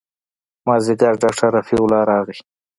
مازديګر ډاکتر رفيع الله راغى.